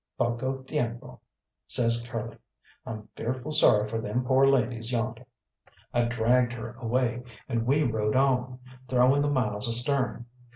"Poco tiempo," says Curly. "I'm fearful sorry for them pore ladies yondeh." I dragged her away, and we rode on, throwing the miles astern.